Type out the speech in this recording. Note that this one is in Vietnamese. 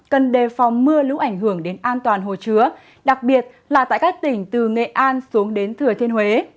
cần đề phòng mưa lũ ảnh hưởng đến an toàn hồ chứa đặc biệt là tại các tỉnh từ nghệ an xuống đến thừa thiên huế